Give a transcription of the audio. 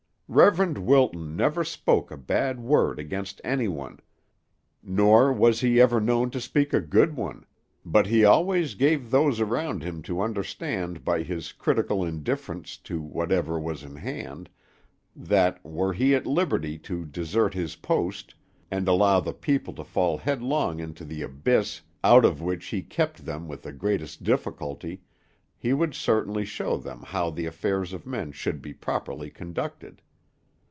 Reverend Wilton never spoke a bad word against anyone, nor was he ever known to speak a good one, but he always gave those around him to understand by his critical indifference to whatever was in hand that, were he at liberty to desert his post, and allow the people to fall headlong into the abyss out of which he kept them with the greatest difficulty, he would certainly show them how the affairs of men should be properly conducted.